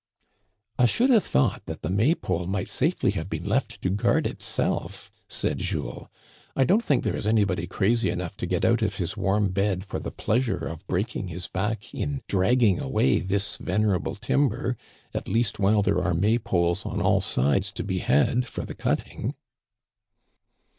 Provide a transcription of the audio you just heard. I should have thought that the May pole might safely have been left to guard itself," said Jules. " I don't think there is anybody crazy enough to get out of his warm bed for the pleasure of breaking his back in dragging away this venerable timber, at least while there are May poles on all sides to be had for the cutting.